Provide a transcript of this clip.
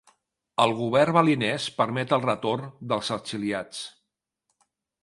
El govern balinès permet el retorn dels exiliats.